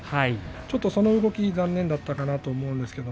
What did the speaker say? ちょっとその動き残念だったかなと思うんですけれど